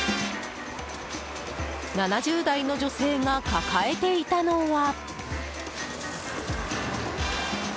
７０代の女性が抱えていたのは。